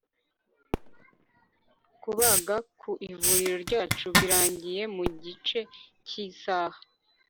kubaga, ku ivuriro ryacu, birangiye mu gice cy'isaha